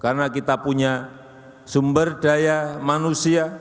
karena kita punya sumber daya manusia